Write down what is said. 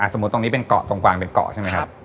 สมมุติตรงนี้เป็นเกาะตรงกลางเป็นเกาะใช่ไหมครับ